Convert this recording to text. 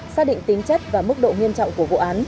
xác định tính chất và mức độ nghiêm trọng của vụ án